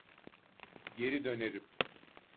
Geri dönerim.